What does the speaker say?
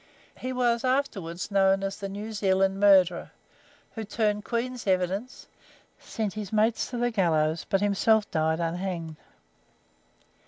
He was afterwards known as "The New Zealand Murderer," who turned Queen's evidence, sent his mates to the gallows, but himself died unhanged.